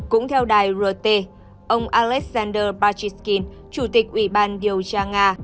cũng theo đài rote ông alexander pachyshkin chủ tịch ủy ban điều tra nga